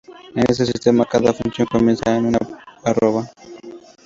En este sistema, cada función comienza con una arroba.